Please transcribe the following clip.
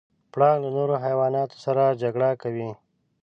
پړانګ له نورو حیواناتو سره جګړه کوي.